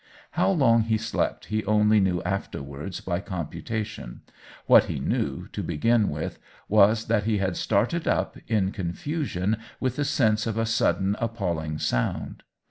How long he slept he only knew afterwards by computation ; what he knew, to begin with, was that he had started up, in confusion, with the sense of a sudden ap palling sound.